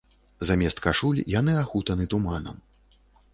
Замест кашуль яны ахутаны туманам.